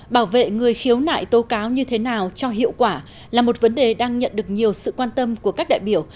bảo vệ người khiếu nại tố cáo như thế nào cho hiệu quả là một vấn đề đang nhận được nhiều sự quan tâm của các đại biểu